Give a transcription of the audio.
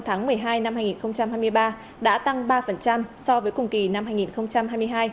tháng một mươi hai năm hai nghìn hai mươi ba đã tăng ba so với cùng kỳ năm hai nghìn hai mươi hai